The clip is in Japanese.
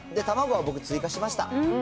卵は僕、追加しました。